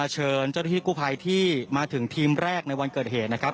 เชิญเจ้าหน้าที่กู้ภัยที่มาถึงทีมแรกในวันเกิดเหตุนะครับ